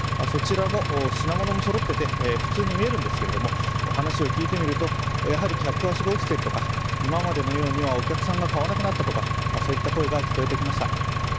そちらも品物もそろってて、普通に見えるんですけど話を聞いてみると、やはり客足が落ちているとか今までのようにはお客さんが買わなくなった、そういった声が聞こえてきました。